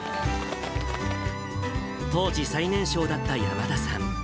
当時最年少だった山田さん。